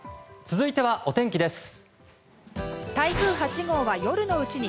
続いてはお天気です。